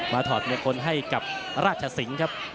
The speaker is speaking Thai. มาถอดมีคนให้กับราชสิงครับ